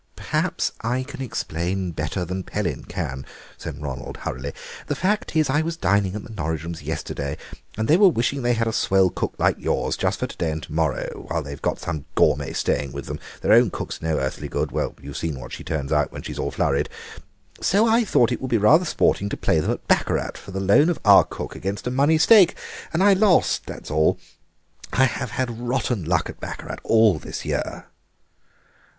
"Perhaps I can explain better than Pellin can," said Ronald hurriedly; "the fact is, I was dining at the Norridrums' yesterday, and they were wishing they had a swell cook like yours, just for to day and to morrow, while they've got some gourmet staying with them: their own cook is no earthly good—well, you've seen what she turns out when she's at all flurried. So I thought it would be rather sporting to play them at baccarat for the loan of our cook against a money stake, and I lost, that's all. I have had rotten luck at baccarat all this year."